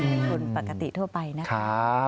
เป็นคนปกติทั่วไปนะคะ